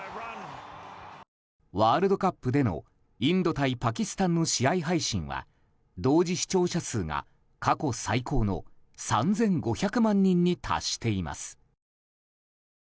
ワールドカップでのインド対パキスタンの試合配信は同時視聴者数が過去最高の３５００万人に達しています。